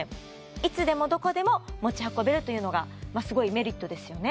いつでもどこでも持ち運べるというのがすごいメリットですよね